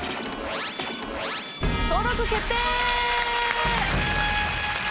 登録決定！